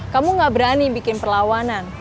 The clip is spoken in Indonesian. kamu gak berani bikin perlawanan